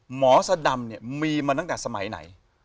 สดำเนี่ยมีมาตั้งแต่สมัยไหน